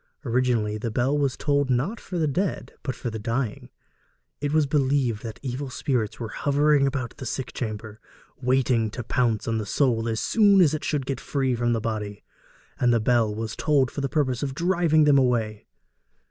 Originally, the bell was tolled not for the dead, but for the dying; it was believed that evil spirits were hovering about the sick chamber, waiting to pounce on the soul as soon as it should get free from the body; and the bell was tolled for the purpose of driving them away.